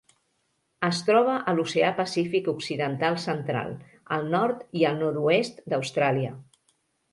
Es troba a l'Oceà Pacífic occidental central: el nord i el nord-oest d'Austràlia.